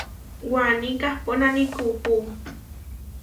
Waní kahponáni kuú.